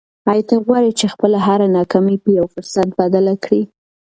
آیا ته غواړې چې خپله هره ناکامي په یو فرصت بدله کړې؟